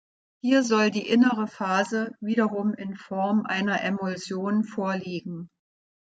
Hier soll die innere Phase wiederum in Form einer Emulsion vorliegen.